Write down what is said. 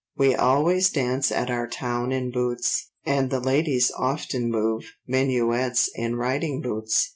We always dance at our town in boots, and the ladies often move minuets in riding boots.